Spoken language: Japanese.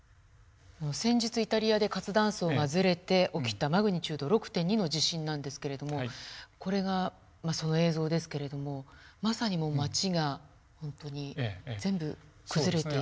先日イタリアで活断層がずれて起きたマグニチュード６．２の地震なんですけれどもこれがその映像ですけれどもまさにもう街が本当に全部崩れていっている。